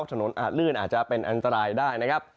ถนนอาดลื่นอาจจะเป็นอันตรายได้